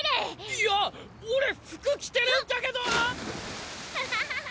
いや俺服着てるんだけど！はっ！